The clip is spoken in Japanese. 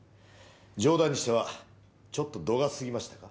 冗談にしてはちょっと度が過ぎましたか？